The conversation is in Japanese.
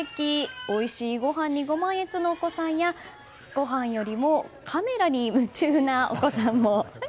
おいしいごはんにご満悦のお子さんやごはんよりもカメラに夢中なお子さんも。